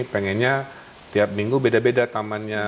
pengennya tiap minggu beda beda tamannya